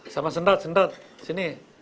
sama senrat senrat sini